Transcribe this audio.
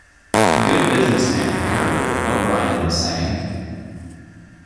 Good business man, Curly, O'Brien was saying.